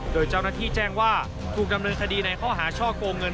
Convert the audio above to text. โดยเจ้าหน้าที่แจ้งว่าถูกดำเนินคดีในข้อหาช่อกงเงิน